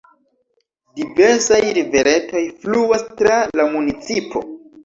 Diversaj riveretoj fluas tra la municipo.